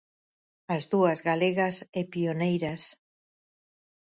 As dúas galegas e pioneiras.